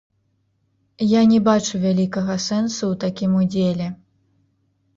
Я не бачу вялікага сэнсу ў такім удзеле.